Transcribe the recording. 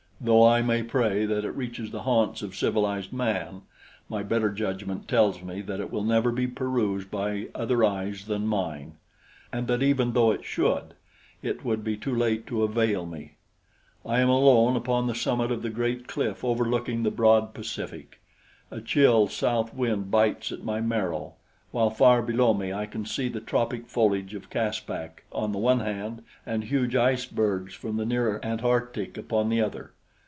Though I may pray that it reaches the haunts of civilized man, my better judgment tells me that it will never be perused by other eyes than mine, and that even though it should, it would be too late to avail me. I am alone upon the summit of the great cliff overlooking the broad Pacific. A chill south wind bites at my marrow, while far below me I can see the tropic foliage of Caspak on the one hand and huge icebergs from the near Antarctic upon the other.